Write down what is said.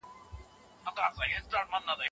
يو بل بايد درک کړي.